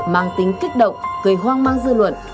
mang tính kích động gây hoang mang dư luận